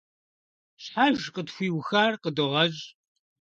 Щхьэж къытхуиухар къыдогъэщӀ.